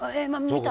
見た？